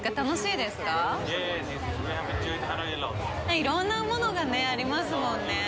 いろんなものがありますもんね。